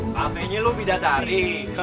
kampenya lo bidadari